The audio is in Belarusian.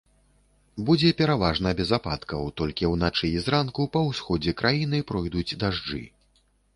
Будзе пераважна без ападкаў, толькі ўначы і зранку па ўсходзе краіны пройдуць дажджы.